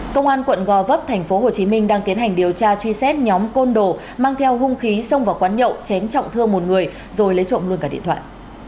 công an quận gò vấp tp hcm đang tiến hành điều tra truy xét nhóm côn đồ mang theo hung khí xông vào quán nhậu chém trọng thương một người rồi lấy trộm luôn cả điện thoại